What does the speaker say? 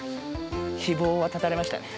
希望は絶たれましたね。